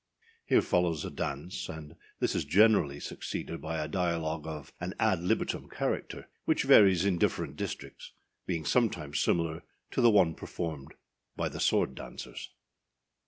Here follows a dance, and this is generally succeeded by a dialogue of an ad libitum character, which varies in different districts, being sometimes similar to the one performed by the sword dancers.